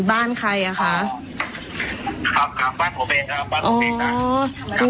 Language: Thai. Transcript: บ้านใครอ่ะคะครับครับบ้านผมเองครับบ้านผมเองนะ